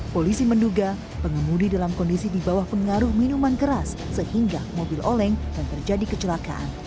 polisi menduga pengemudi dalam kondisi di bawah pengaruh minuman keras sehingga mobil oleng dan terjadi kecelakaan